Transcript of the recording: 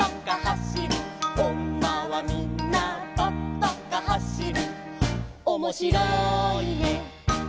「おんまはみんなぱっぱかはしる」「おもしろいね」